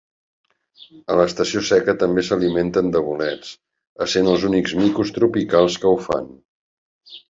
A l'estació seca també s'alimenten de bolets, essent els únics micos tropicals que ho fan.